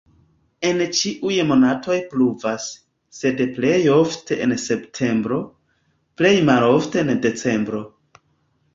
En ĉiuj monatoj pluvas, sed plej ofte en septembro, plej malofte en decembro.